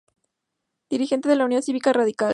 Dirigente de la Unión Cívica Radical.